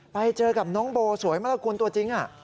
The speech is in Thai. ไปเจอกับน้องโบสวยมากล่ะคุณตัวจริง